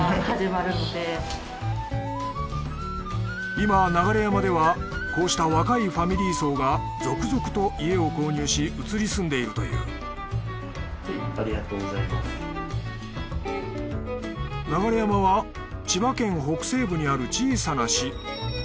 今流山ではこうした若いファミリー層が続々と家を購入し移り住んでいるという流山は千葉県北西部にある小さな市。